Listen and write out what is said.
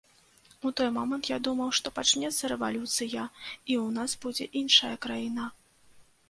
У той момант я думаў, што пачнецца рэвалюцыя і ў нас будзе іншая краіна.